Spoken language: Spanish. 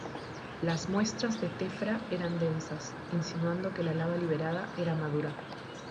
Las muestras de tefra eran densas, insinuando que la lava liberada era madura.